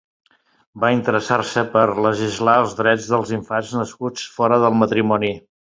Va interessar-se per legislar els drets dels infants nascuts fora del matrimoni.